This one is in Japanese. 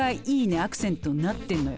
アクセントになってんのよ。